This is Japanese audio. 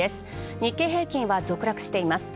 日経平均は続落しています。